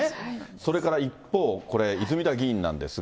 それから一方、これ、泉田議員なんですが。